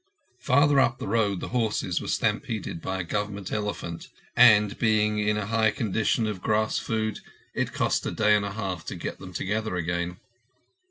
Farther up the road the horses were stampeded by a Government elephant, and being in high condition of grass food, it cost a day and a half to get them together again.